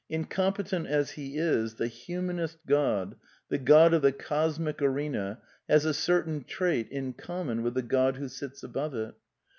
Incompetent as he is, the humanist God, the God of the cosmic arena, has a certain trait in common with the God who sits above it.